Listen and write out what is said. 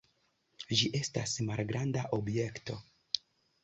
Ĝi estas malgranda objekto.